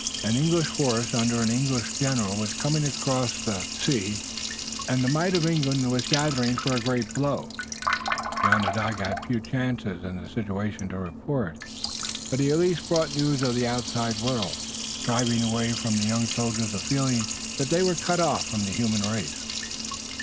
An English force under an English general was coming across the sea, and the might of England was gathering for a great blow. The Onondaga had few changes in the situation to report, but he at least brought news of the outside world, driving away from the young soldiers the feeling that they were cut off from the human race.